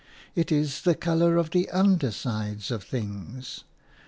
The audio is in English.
It is the colour of the undersides of things.